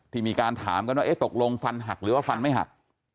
มีการถามกันว่าตกลงฟันหักหรือว่าฟันไม่หัก